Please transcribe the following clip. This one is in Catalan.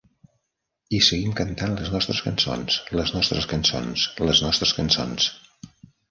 I seguim cantant les nostres cançons, les nostres cançons, les nostres cançons!